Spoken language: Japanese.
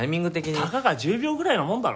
たかが１０秒ぐらいのもんだろ？